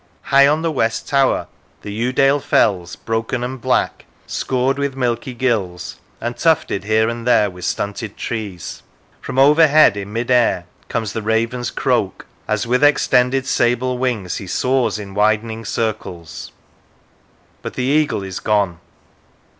... High on the west tower the Yewdale Fells, broken and black, scored with milky gills, and tufted here and there with stunted trees. From overhead, in mid air, comes the raven's croak, as with extended sable wings he soars in widening circles, but the eagle is gone.